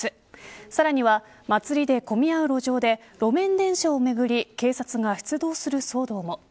さらには、祭りで混み合う路上で路面電車をめぐり警察が出動する騒動も。